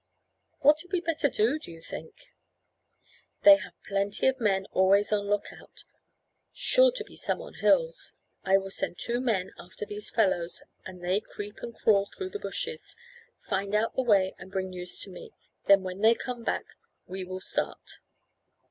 "What had we better do, do you think?" "They have plenty of men always on look out, sure to be some on hills. I will send two men after these fellows, and they creep and crawl through the bushes, find out the way and bring news to me; then when they come back we will start."